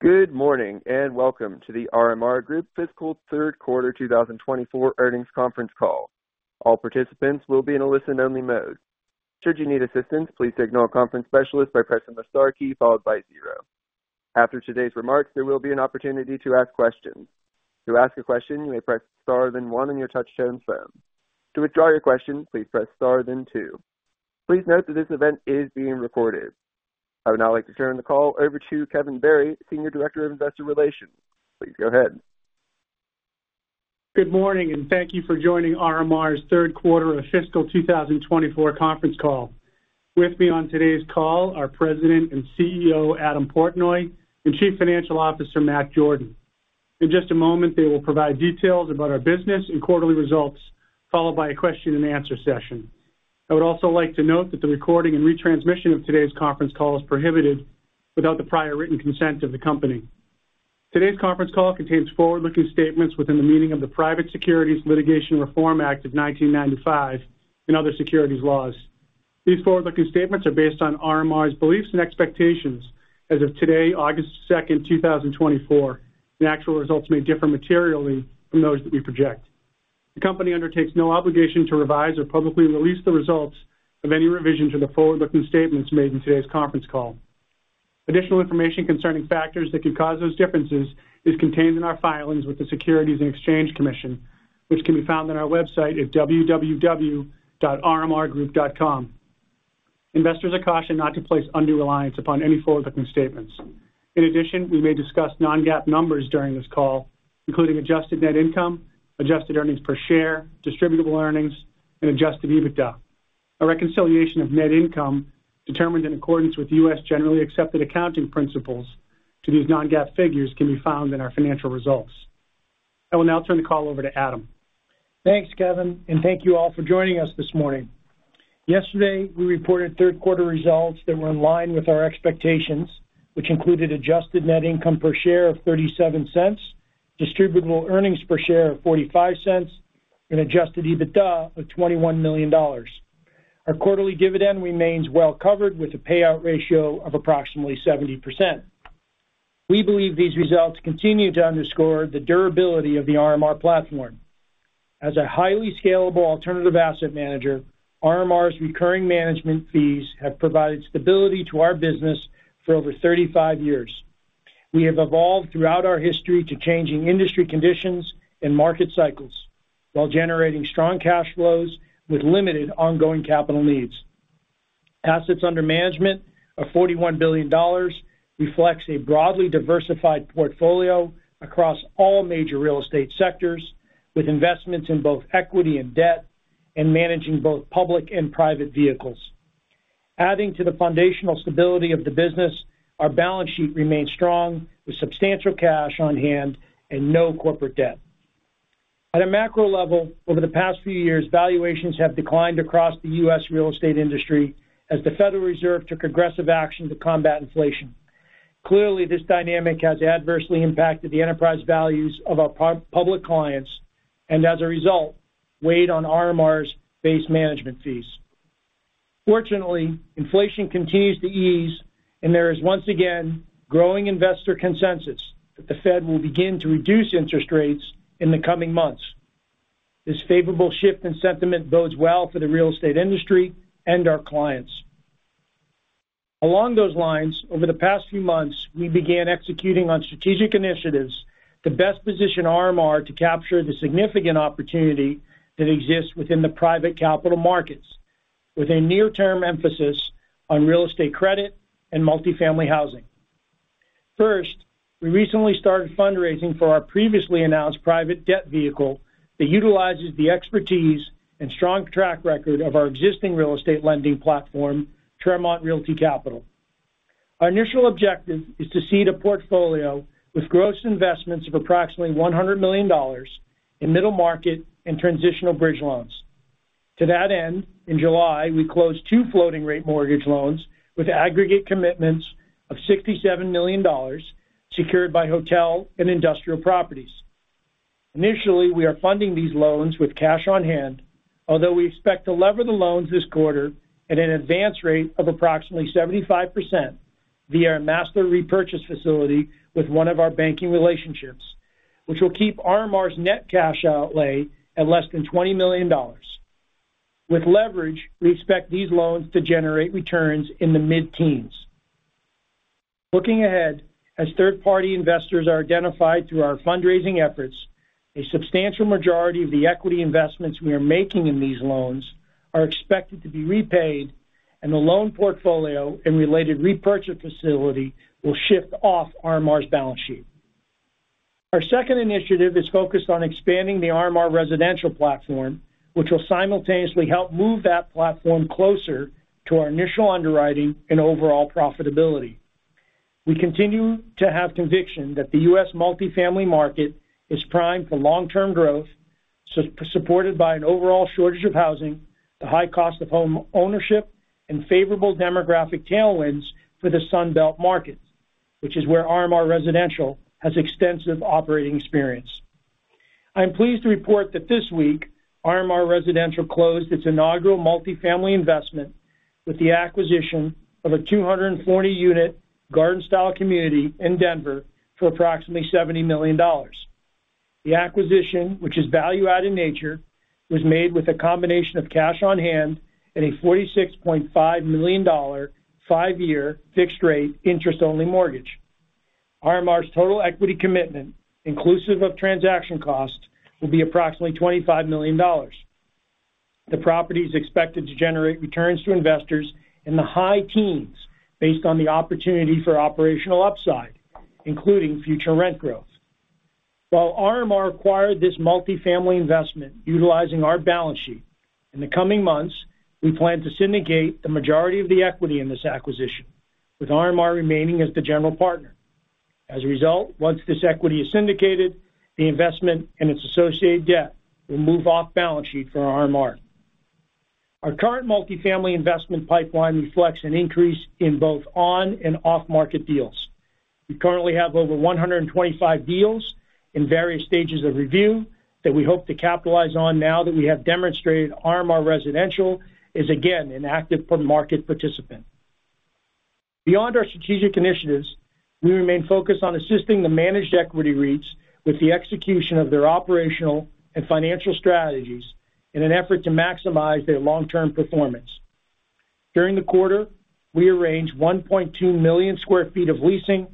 Good morning and welcome to the RMR Group fiscal third quarter 2024 earnings conference call. All participants will be in a listen-only mode. Should you need assistance, please signal a conference specialist by pressing the star key followed by zero. After today's remarks, there will be an opportunity to ask questions. To ask a question, you may press star then one on your touch-tone phone. To withdraw your question, please press star then two. Please note that this event is being recorded. I would now like to turn the call over to Kevin Barry, Senior Director of Investor Relations. Please go ahead. Good morning and thank you for joining RMR's third quarter of fiscal 2024 conference call. With me on today's call are President and CEO Adam Portnoy and Chief Financial Officer Matt Jordan. In just a moment, they will provide details about our business and quarterly results followed by a question-and-answer session. I would also like to note that the recording and retransmission of today's conference call is prohibited without the prior written consent of the company. Today's conference call contains forward-looking statements within the meaning of the Private Securities Litigation Reform Act of 1995 and other securities laws. These forward-looking statements are based on RMR's beliefs and expectations as of today, August 2nd, 2024, and actual results may differ materially from those that we project. The company undertakes no obligation to revise or publicly release the results of any revision to the forward-looking statements made in today's conference call. Additional information concerning factors that could cause those differences is contained in our filings with the Securities and Exchange Commission, which can be found on our website at www.rmrgroup.com. Investors are cautioned not to place undue reliance upon any forward-looking statements. In addition, we may discuss non-GAAP numbers during this call, including adjusted net income, adjusted earnings per share, distributable earnings, and adjusted EBITDA. A reconciliation of net income determined in accordance with U.S. generally accepted accounting principles to these non-GAAP figures can be found in our financial results. I will now turn the call over to Adam. Thanks, Kevin, and thank you all for joining us this morning. Yesterday, we reported third quarter results that were in line with our expectations, which included adjusted net income per share of $0.37, distributable earnings per share of $0.45, and adjusted EBITDA of $21 million. Our quarterly dividend remains well covered with a payout ratio of approximately 70%. We believe these results continue to underscore the durability of the RMR platform. As a highly scalable alternative asset manager, RMR's recurring management fees have provided stability to our business for over 35 years. We have evolved throughout our history to changing industry conditions and market cycles while generating strong cash flows with limited ongoing capital needs. Assets under management of $41 billion reflects a broadly diversified portfolio across all major real estate sectors, with investments in both equity and debt and managing both public and private vehicles. Adding to the foundational stability of the business, our balance sheet remains strong with substantial cash on hand and no corporate debt. At a macro level, over the past few years, valuations have declined across the U.S. real estate industry as the Federal Reserve took aggressive action to combat inflation. Clearly, this dynamic has adversely impacted the enterprise values of our public clients and, as a result, weighed on RMR's base management fees. Fortunately, inflation continues to ease and there is once again growing investor consensus that the Fed will begin to reduce interest rates in the coming months. This favorable shift in sentiment bodes well for the real estate industry and our clients. Along those lines, over the past few months, we began executing on strategic initiatives to best position RMR to capture the significant opportunity that exists within the private capital markets, with a near-term emphasis on real estate credit and multifamily housing. First, we recently started fundraising for our previously announced private debt vehicle that utilizes the expertise and strong track record of our existing real estate lending platform, Tremont Realty Capital. Our initial objective is to seed a portfolio with gross investments of approximately $100 million in middle market and transitional bridge loans. To that end, in July, we closed two floating-rate mortgage loans with aggregate commitments of $67 million secured by hotel and industrial properties. Initially, we are funding these loans with cash on hand, although we expect to lever the loans this quarter at an advance rate of approximately 75% via a master repurchase facility with one of our banking relationships, which will keep RMR's net cash outlay at less than $20 million. With leverage, we expect these loans to generate returns in the mid-teens. Looking ahead, as third-party investors are identified through our fundraising efforts, a substantial majority of the equity investments we are making in these loans are expected to be repaid, and the loan portfolio and related repurchase facility will shift off RMR's balance sheet. Our second initiative is focused on expanding the RMR Residential platform, which will simultaneously help move that platform closer to our initial underwriting and overall profitability. We continue to have conviction that the U.S. multifamily market is primed for long-term growth, supported by an overall shortage of housing, the high cost of home ownership, and favorable demographic tailwinds for the Sunbelt market, which is where RMR Residential has extensive operating experience. I am pleased to report that this week, RMR Residential closed its inaugural multifamily investment with the acquisition of a 240-unit garden-style community in Denver for approximately $70 million. The acquisition, which is value-added in nature, was made with a combination of cash on hand and a $46.5 million five-year fixed-rate interest-only mortgage. RMR's total equity commitment, inclusive of transaction costs, will be approximately $25 million. The property is expected to generate returns to investors in the high teens based on the opportunity for operational upside, including future rent growth. While RMR acquired this multifamily investment utilizing our balance sheet, in the coming months, we plan to syndicate the majority of the equity in this acquisition, with RMR remaining as the general partner. As a result, once this equity is syndicated, the investment and its associated debt will move off balance sheet for RMR. Our current multifamily investment pipeline reflects an increase in both on and off-market deals. We currently have over 125 deals in various stages of review that we hope to capitalize on now that we have demonstrated RMR Residential is again an active market participant. Beyond our strategic initiatives, we remain focused on assisting the managed equity REITs with the execution of their operational and financial strategies in an effort to maximize their long-term performance. During the quarter, we arranged 1.2 million sq ft of leasing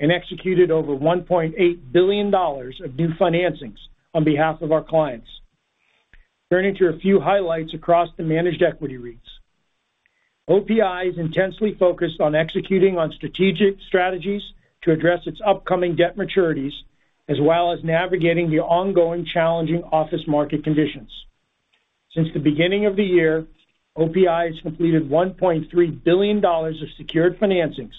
and executed over $1.8 billion of new financings on behalf of our clients. Turning to a few highlights across the managed equity REITs, OPI is intensely focused on executing on strategic strategies to address its upcoming debt maturities, as well as navigating the ongoing challenging office market conditions. Since the beginning of the year, OPI has completed $1.3 billion of secured financings,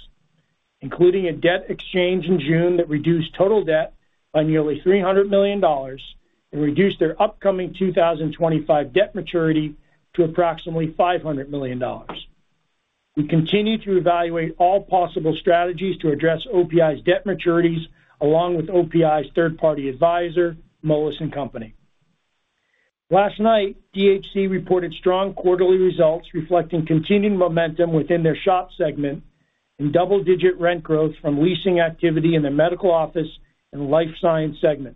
including a debt exchange in June that reduced total debt by nearly $300 million and reduced their upcoming 2025 debt maturity to approximately $500 million. We continue to evaluate all possible strategies to address OPI's debt maturities, along with OPI's third-party advisor, Moelis & Company. Last night, DHC reported strong quarterly results reflecting continued momentum within their SHOP segment and double-digit rent growth from leasing activity in their medical office and life science segment.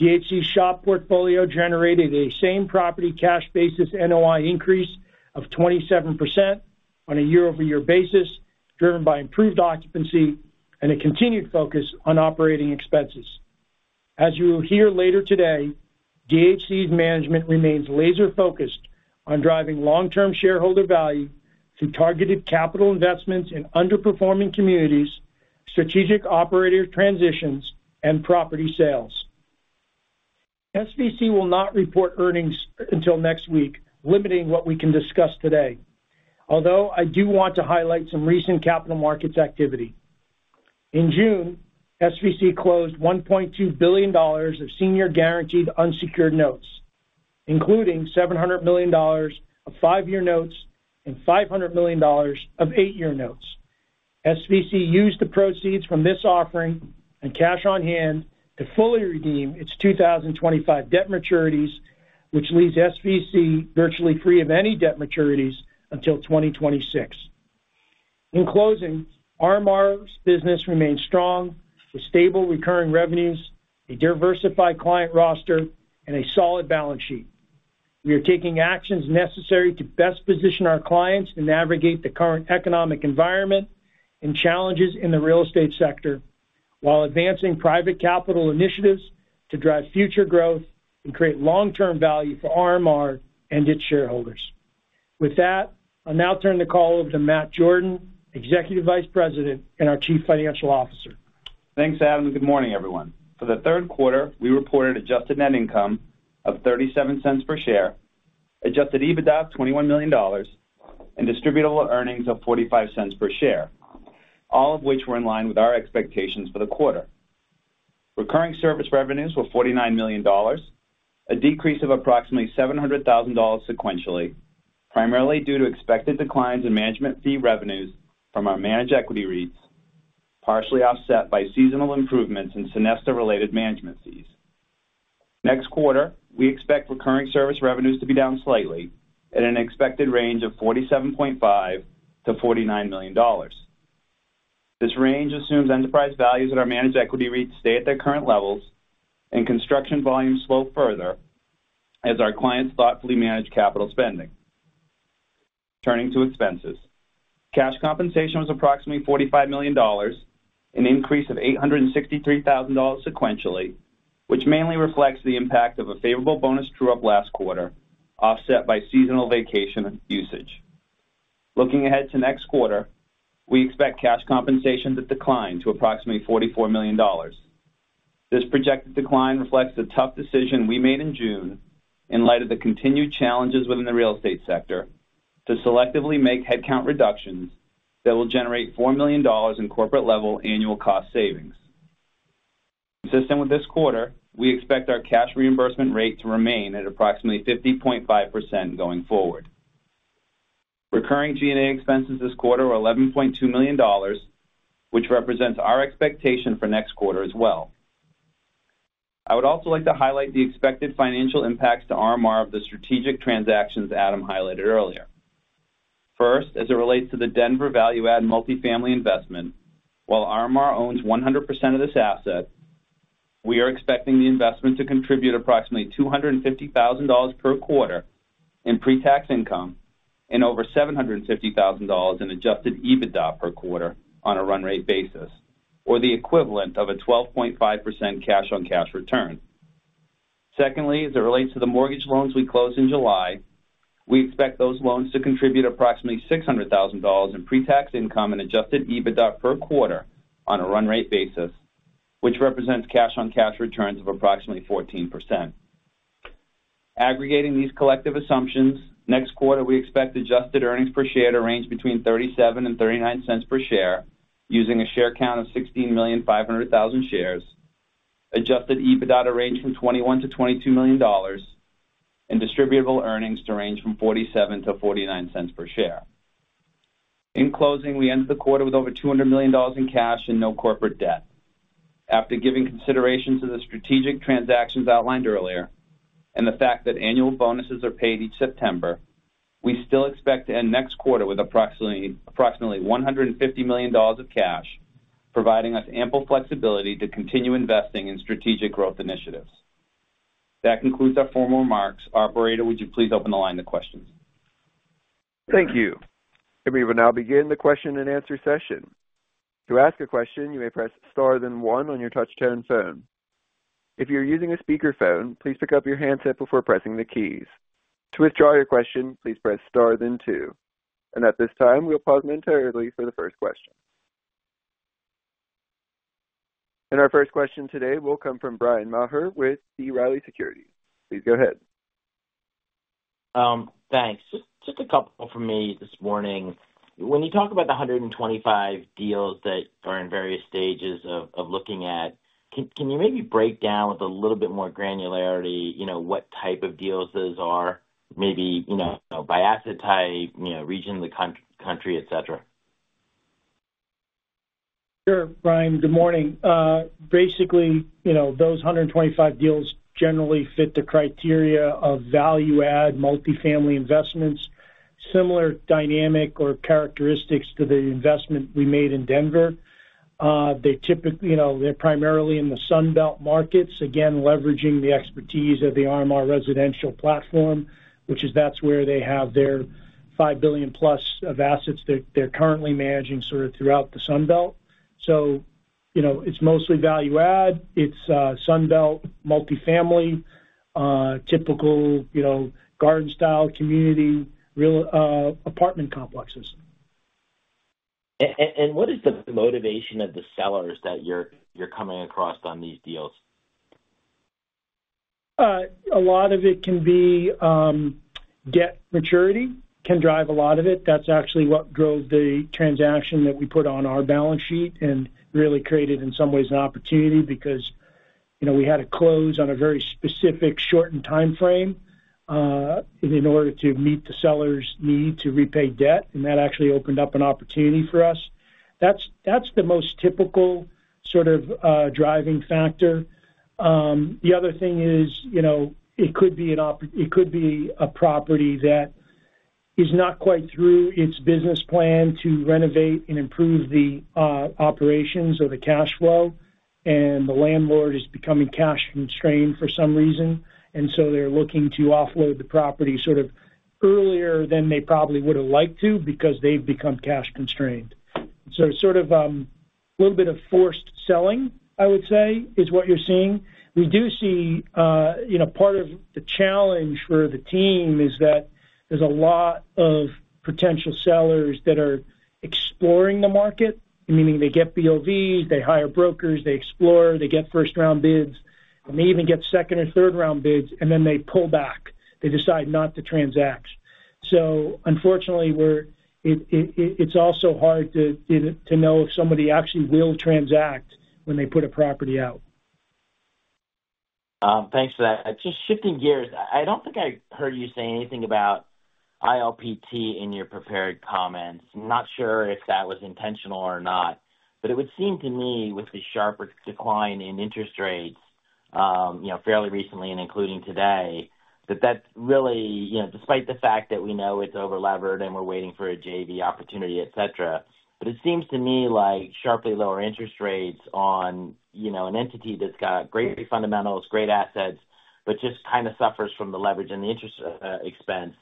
DHC's SHOP portfolio generated a same-property cash basis NOI increase of 27% on a year-over-year basis, driven by improved occupancy and a continued focus on operating expenses. As you will hear later today, DHC's management remains laser-focused on driving long-term shareholder value through targeted capital investments in underperforming communities, strategic operator transitions, and property sales. SVC will not report earnings until next week, limiting what we can discuss today, although I do want to highlight some recent capital markets activity. In June, SVC closed $1.2 billion of senior guaranteed unsecured notes, including $700 million of five-year notes and $500 million of eight-year notes. SVC used the proceeds from this offering and cash on hand to fully redeem its 2025 debt maturities, which leaves SVC virtually free of any debt maturities until 2026. In closing, RMR's business remains strong with stable recurring revenues, a diversified client roster, and a solid balance sheet. We are taking actions necessary to best position our clients to navigate the current economic environment and challenges in the real estate sector while advancing private capital initiatives to drive future growth and create long-term value for RMR and its shareholders. With that, I'll now turn the call over to Matt Jordan, Executive Vice President and our Chief Financial Officer. Thanks, Adam. Good morning, everyone. For the third quarter, we reported adjusted net income of $0.37 per share, adjusted EBITDA of $21 million, and distributable earnings of $0.45 per share, all of which were in line with our expectations for the quarter. Recurring service revenues were $49 million, a decrease of approximately $700,000 sequentially, primarily due to expected declines in management fee revenues from our managed equity REITs, partially offset by seasonal improvements in senior-related management fees. Next quarter, we expect recurring service revenues to be down slightly at an expected range of $47.5 million-$49 million. This range assumes enterprise values at our managed equity REITs stay at their current levels and construction volumes slow further as our clients thoughtfully manage capital spending. Turning to expenses, cash compensation was approximately $45 million, an increase of $863,000 sequentially, which mainly reflects the impact of a favorable bonus true-up last quarter, offset by seasonal vacation usage. Looking ahead to next quarter, we expect cash compensation to decline to approximately $44 million. This projected decline reflects the tough decision we made in June in light of the continued challenges within the real estate sector to selectively make headcount reductions that will generate $4 million in corporate-level annual cost savings. Consistent with this quarter, we expect our cash reimbursement rate to remain at approximately 50.5% going forward. Recurring G&A expenses this quarter were $11.2 million, which represents our expectation for next quarter as well. I would also like to highlight the expected financial impacts to RMR of the strategic transactions Adam highlighted earlier. First, as it relates to the Denver value-add multifamily investment, while RMR owns 100% of this asset, we are expecting the investment to contribute approximately $250,000 per quarter in pre-tax income and over $750,000 in adjusted EBITDA per quarter on a run rate basis, or the equivalent of a 12.5% cash-on-cash return. Secondly, as it relates to the mortgage loans we closed in July, we expect those loans to contribute approximately $600,000 in pre-tax income and adjusted EBITDA per quarter on a run rate basis, which represents cash-on-cash returns of approximately 14%. Aggregating these collective assumptions, next quarter, we expect adjusted earnings per share to range between $0.37 and $0.39 per share using a share count of 16,500,000 shares, adjusted EBITDA to range from $21 million-$22 million, and distributable earnings to range from $0.47-$0.49 per share. In closing, we ended the quarter with over $200 million in cash and no corporate debt. After giving consideration to the strategic transactions outlined earlier and the fact that annual bonuses are paid each September, we still expect to end next quarter with approximately $150 million of cash, providing us ample flexibility to continue investing in strategic growth initiatives. That concludes our formal remarks. Operator, would you please open the line to questions? Thank you. We will now begin the question-and-answer session. To ask a question, you may press star then one on your touch-tone phone. If you're using a speakerphone, please pick up your handset before pressing the keys. To withdraw your question, please press star then two. At this time, we'll pause momentarily for the first question. Our first question today will come from Bryan Maher with B. Riley Securities. Please go ahead. Thanks. Just a couple for me this morning. When you talk about the 125 deals that are in various stages of looking at, can you maybe break down with a little bit more granularity what type of deals those are, maybe by asset type, region of the country, etc.? Sure, Bryan. Good morning. Basically, those 125 deals generally fit the criteria of value-add multifamily investments, similar dynamic or characteristics to the investment we made in Denver. They're primarily in the Sunbelt markets, again, leveraging the expertise of the RMR Residential platform, which is that's where they have their $5 billion-plus of assets that they're currently managing sort of throughout the Sunbelt. So it's mostly value-add. It's Sunbelt multifamily, typical garden-style community apartment complexes. What is the motivation of the sellers that you're coming across on these deals? A lot of it can be debt maturity that can drive a lot of it. That's actually what drove the transaction that we put on our balance sheet and really created, in some ways, an opportunity because we had to close on a very specific shortened timeframe in order to meet the seller's need to repay debt. And that actually opened up an opportunity for us. That's the most typical sort of driving factor. The other thing is it could be a property that is not quite through its business plan to renovate and improve the operations or the cash flow, and the landlord is becoming cash-constrained for some reason. And so they're looking to offload the property sort of earlier than they probably would have liked to because they've become cash-constrained. So sort of a little bit of forced selling, I would say, is what you're seeing. We do see part of the challenge for the team is that there's a lot of potential sellers that are exploring the market, meaning they get BOVs, they hire brokers, they explore, they get first-round bids, and they even get second or third-round bids, and then they pull back. They decide not to transact. So unfortunately, it's also hard to know if somebody actually will transact when they put a property out. Thanks for that. Just shifting gears, I don't think I heard you say anything about ILPT in your prepared comments. Not sure if that was intentional or not. But it would seem to me, with the sharp decline in interest rates fairly recently and including today, that that really, despite the fact that we know it's over-levered and we're waiting for a JV opportunity, etc., but it seems to me like sharply lower interest rates on an entity that's got great fundamentals, great assets, but just kind of suffers from the leverage and the interest expense,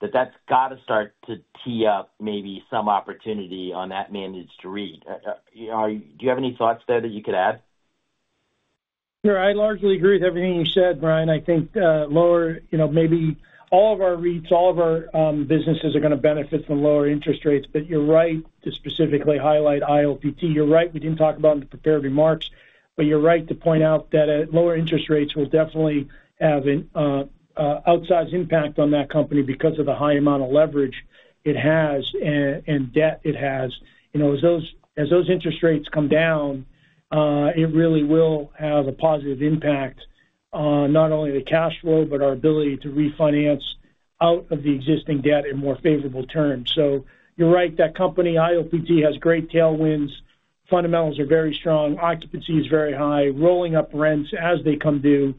that that's got to start to tee up maybe some opportunity on that managed REIT. Do you have any thoughts there that you could add? Sure. I largely agree with everything you said, Bryan. I think maybe all of our REITs, all of our businesses are going to benefit from lower interest rates. But you're right to specifically highlight ILPT. You're right. We didn't talk about it in the prepared remarks. But you're right to point out that lower interest rates will definitely have an outsized impact on that company because of the high amount of leverage it has and debt it has. As those interest rates come down, it really will have a positive impact on not only the cash flow but our ability to refinance out of the existing debt in more favorable terms. So you're right. That company, ILPT, has great tailwinds. Fundamentals are very strong. Occupancy is very high. Rolling up rents as they come due.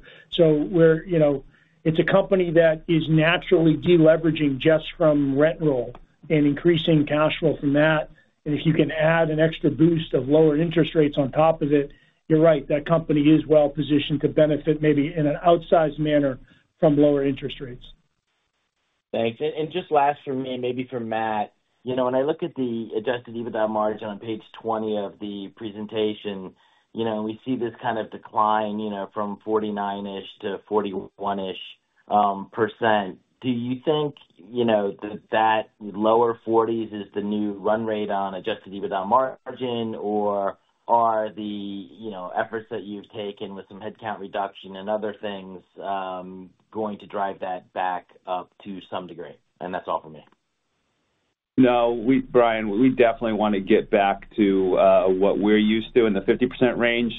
It's a company that is naturally deleveraging just from rent roll and increasing cash flow from that. If you can add an extra boost of lower interest rates on top of it, you're right. That company is well-positioned to benefit maybe in an outsized manner from lower interest rates. Thanks. Just last for me, maybe for Matt. When I look at the adjusted EBITDA margin on page 20 of the presentation, we see this kind of decline from 49-ish% to 41-ish%. Do you think that lower 40s is the new run rate on adjusted EBITDA margin, or are the efforts that you've taken with some headcount reduction and other things going to drive that back up to some degree? That's all for me. No, Bryan, we definitely want to get back to what we're used to in the 50% range.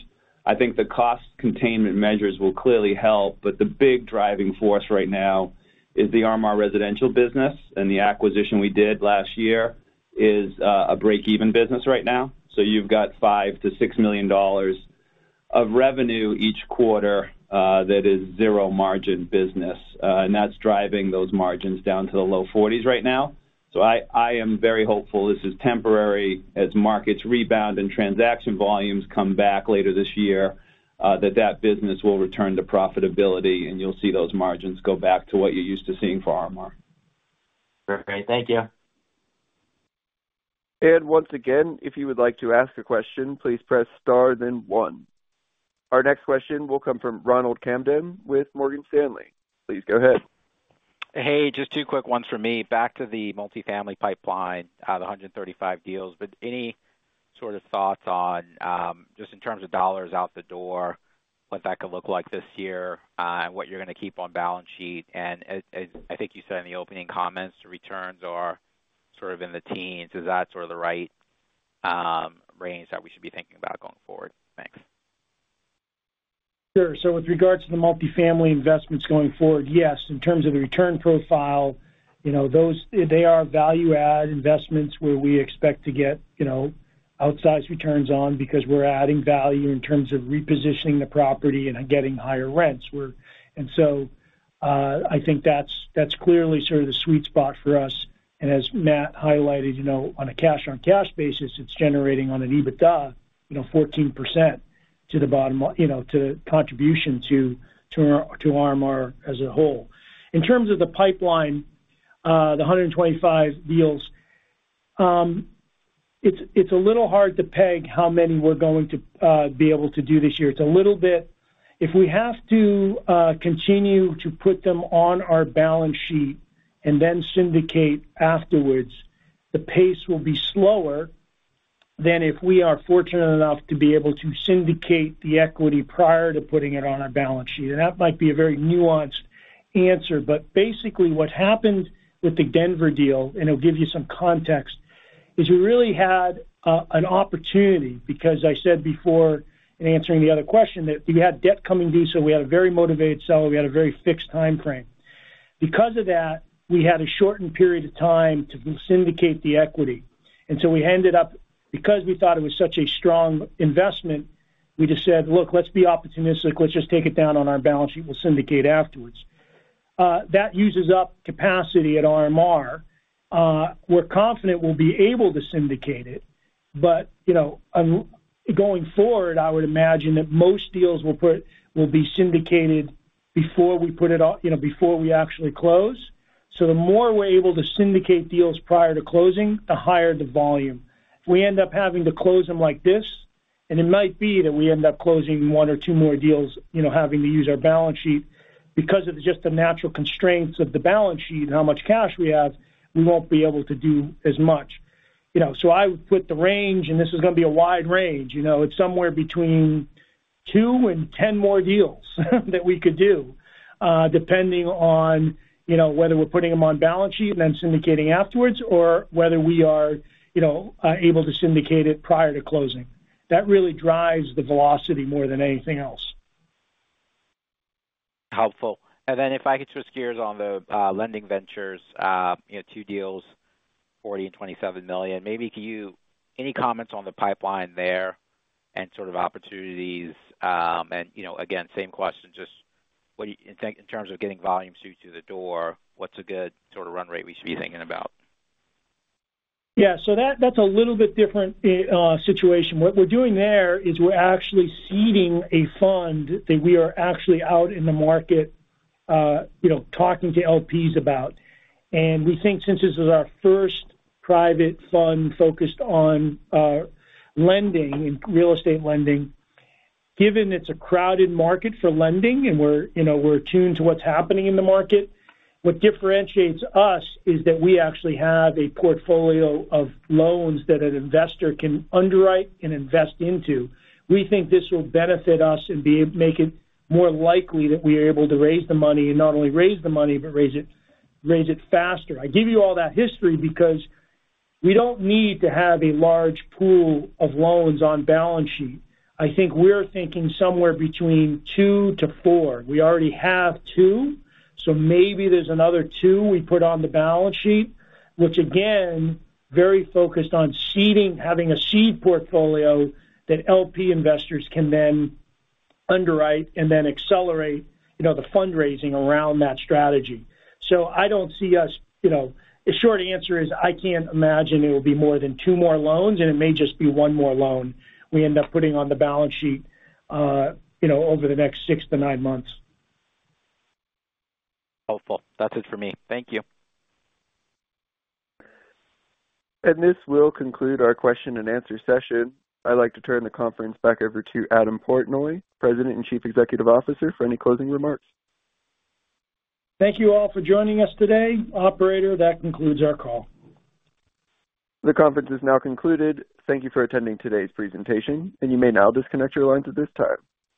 I think the cost containment measures will clearly help. But the big driving force right now is the RMR Residential business. And the acquisition we did last year is a break-even business right now. So you've got $5 million-$6 million of revenue each quarter that is zero-margin business. And that's driving those margins down to the low 40s right now. So I am very hopeful this is temporary. As markets rebound and transaction volumes come back later this year, that that business will return to profitability, and you'll see those margins go back to what you're used to seeing for RMR. Perfect. Thank you. Once again, if you would like to ask a question, please press star then one. Our next question will come from Ronald Kamdem with Morgan Stanley. Please go ahead. Hey, just two quick ones for me. Back to the multifamily pipeline, the 135 deals. But any sort of thoughts on just in terms of dollars out the door, what that could look like this year, and what you're going to keep on balance sheet? I think you said in the opening comments returns are sort of in the teens. Is that sort of the right range that we should be thinking about going forward? Thanks. Sure. So with regards to the multifamily investments going forward, yes. In terms of the return profile, they are value-add investments where we expect to get outsized returns on because we're adding value in terms of repositioning the property and getting higher rents. And so I think that's clearly sort of the sweet spot for us. And as Matt highlighted, on a cash-on-cash basis, it's generating on an EBITDA 14% to the contribution to RMR as a whole. In terms of the pipeline, the 125 deals, it's a little hard to peg how many we're going to be able to do this year. It's a little bit, if we have to continue to put them on our balance sheet and then syndicate afterwards, the pace will be slower than if we are fortunate enough to be able to syndicate the equity prior to putting it on our balance sheet. That might be a very nuanced answer. But basically, what happened with the Denver deal, and it'll give you some context, is we really had an opportunity because I said before in answering the other question that we had debt coming due. So we had a very motivated seller. We had a very fixed timeframe. Because of that, we had a shortened period of time to syndicate the equity. And so we ended up because we thought it was such a strong investment, we just said, "Look, let's be opportunistic. Let's just take it down on our balance sheet. We'll syndicate afterwards." That uses up capacity at RMR. We're confident we'll be able to syndicate it. But going forward, I would imagine that most deals will be syndicated before we put it before we actually close. So the more we're able to syndicate deals prior to closing, the higher the volume. If we end up having to close them like this - and it might be that we end up closing one or two more deals having to use our balance sheet because of just the natural constraints of the balance sheet and how much cash we have - we won't be able to do as much. So I would put the range - and this is going to be a wide range - it's somewhere between two and 10 more deals that we could do, depending on whether we're putting them on balance sheet and then syndicating afterwards or whether we are able to syndicate it prior to closing. That really drives the velocity more than anything else. Helpful. And then if I could switch gears on the lending ventures, two deals, $40 million and $27 million. Maybe can you any comments on the pipeline there and sort of opportunities? And again, same question, just in terms of getting volume shoot to the door, what's a good sort of run rate we should be thinking about? Yeah. So that's a little bit different situation. What we're doing there is we're actually seeding a fund that we are actually out in the market talking to LPs about. And we think since this is our first private fund focused on lending and real estate lending, given it's a crowded market for lending and we're attuned to what's happening in the market, what differentiates us is that we actually have a portfolio of loans that an investor can underwrite and invest into. We think this will benefit us and make it more likely that we are able to raise the money and not only raise the money but raise it faster. I give you all that history because we don't need to have a large pool of loans on balance sheet. I think we're thinking somewhere between two to four. We already have two. So maybe there's another two we put on the balance sheet, which, again, very focused on having a seed portfolio that LP investors can then underwrite and then accelerate the fundraising around that strategy. So I don't see us. The short answer is I can't imagine it will be more than two more loans, and it may just be one more loan we end up putting on the balance sheet over the next six to nine months. Helpful. That's it for me. Thank you. This will conclude our question-and-answer session. I'd like to turn the conference back over to Adam Portnoy, President and Chief Executive Officer, for any closing remarks. Thank you all for joining us today. Operator, that concludes our call. The conference is now concluded. Thank you for attending today's presentation. You may now disconnect your lines at this time.